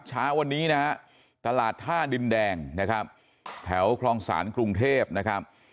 เช้าวันนี้นะฮะตลาดท่าดินแดงนะครับแถวคลองศาลกรุงเทพนะครับ